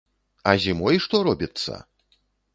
А зімой што робіцца!